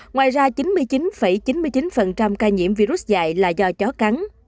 ngoài ra chín mươi chín chín mươi chín ca nhiễm virus dạy là do chó cắn